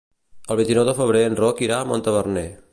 El vint-i-nou de febrer en Roc irà a Montaverner.